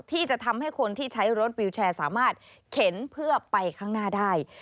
ที่จะทำให้คนที่ใช้รถวิวแชร์สามารถเข็นเพื่อไปข้างหน้าได้